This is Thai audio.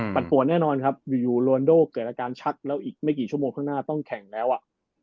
ปวดปวดแน่นอนครับอยู่โรนโดเกิดอาการชักแล้วอีกไม่กี่ชั่วโมงข้างหน้าต้องแข่งแล้วอ่ะ